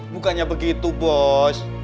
bukannya begitu bos